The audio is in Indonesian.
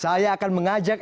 saya akan mengajak